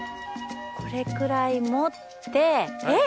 これくらい持ってえっ。